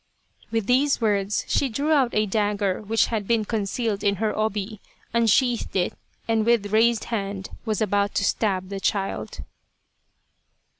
With these words she drew out a dagger which had been concealed in her obi* unsheathed it, and with raised hand was about to stab the child.